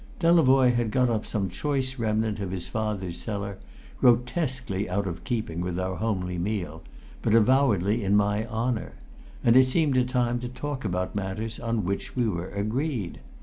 Delavoye had got up some choice remnant of his father's cellar, grotesquely out of keeping with our homely meal, but avowedly in my honour, and it seemed a time to talk about matters on which we were agreed.